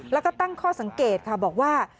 แล้วก็ตั้งข้อสังเกตค่ะบอกว่า